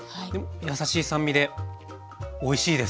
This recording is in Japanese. やさしい酸味でおいしいです。